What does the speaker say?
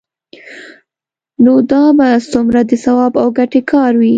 نو دا به څومره د ثواب او ګټې کار وي؟